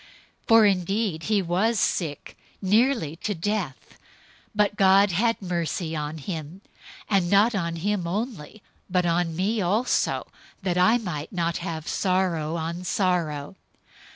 002:027 For indeed he was sick, nearly to death, but God had mercy on him; and not on him only, but on me also, that I might not have sorrow on sorrow.